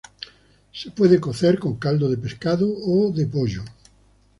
Se puede cocer con caldo de pescado o de pollo.